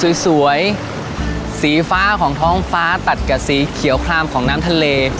สวยสวยสีฟ้าของท้องฟ้าตัดกับสีเขียวคลามของน้ำทะเล